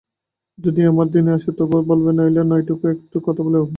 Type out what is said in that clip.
যদি আমার দিন আসে তো বলব, নইলে নয়, এইটুকু কথা দিলুম।